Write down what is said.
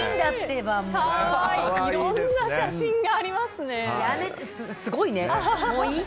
いろんな写真がありますね。